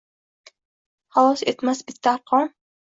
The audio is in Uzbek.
Xalos etmas bitta arqon